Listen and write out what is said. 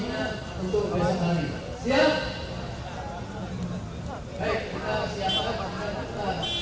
dan menawan ketiga rakyat